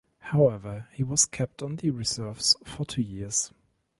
However, he was kept on the reserves for two years.